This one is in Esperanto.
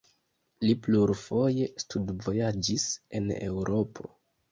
Li plurfoje studvojaĝis en Eŭropo.